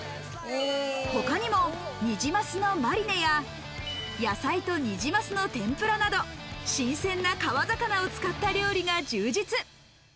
他にもニジマスのマリネや、野菜とにじ鱒の天ぷらなど、新鮮な川魚を使った料理が充実。